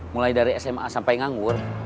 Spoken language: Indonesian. mulai dari sma sampai nganggur